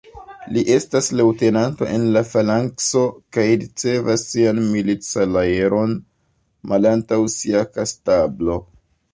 Li estas leŭtenanto en la _falankso_ kaj ricevas sian milit-salajron malantaŭ sia kastablo.